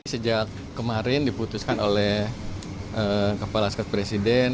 sejak kemarin diputuskan oleh kepala staf presiden